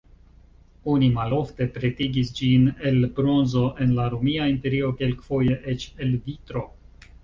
Oni malofte pretigis ĝin el bronzo, en la Romia imperio kelkfoje eĉ el vitro.